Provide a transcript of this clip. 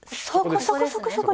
そこそこ！